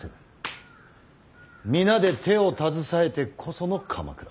皆で手を携えてこその鎌倉。